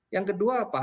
yang kedua apa